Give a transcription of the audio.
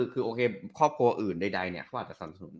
คือโอเคครอบครัวอื่นใดเขาอาจจะสนับสนุน